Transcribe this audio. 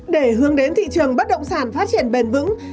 để hướng đến thị trường bất động sản phát triển bền vững